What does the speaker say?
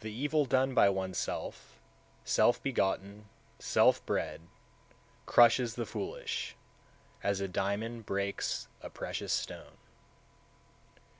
161. The evil done by oneself, self begotten, self bred, crushes the foolish, as a diamond breaks a precious stone.